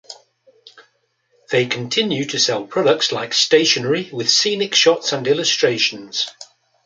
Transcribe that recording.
They continue to sell products like stationery with scenic shots and illustrations.